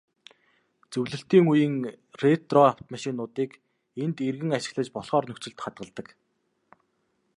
Зөвлөлтийн үеийн ретро автомашинуудыг энд эргэн ашиглаж болохоор нөхцөлд хадгалдаг.